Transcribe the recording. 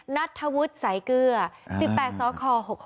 นัทธวุฒิสายเกลือ๑๘สค๖๖